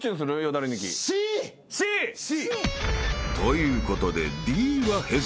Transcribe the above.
［ということでＤはヘズマ］